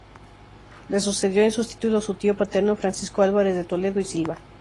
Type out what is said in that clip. Le sucedió en sus títulos su tío paterno Francisco Álvarez de Toledo y Silva.